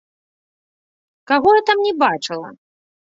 Каго я там не бачыла?